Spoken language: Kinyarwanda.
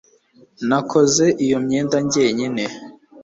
nakoze iyo myenda njyenyine